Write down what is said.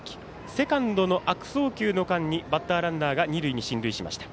セカンドの悪送球の間にバッターランナーが二塁に進塁しました。